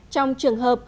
trong trường hợp